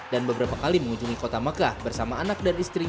dan beberapa kali mengunjungi kota mekah bersamaan dengan kota liverpool